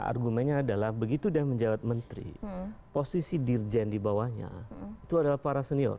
argumennya adalah begitu dia menjawab menteri posisi dirjen di bawahnya itu adalah para senior